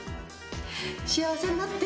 幸せになって。